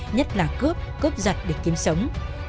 nhất là cướp cướp giặt để kiếm sống